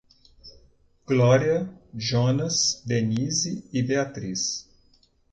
Glória, Jonas, Denise e Beatriz